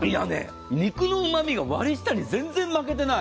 肉のうまみが割り下に全然負けていない。